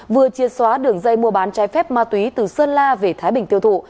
vừa chia xóa đường dây mua bán trái phép ma túy từ sơn la về thái bình tiêu thụ